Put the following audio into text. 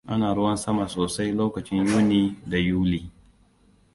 Ana ruwam sama sosai lokacin Yuni da Yuli.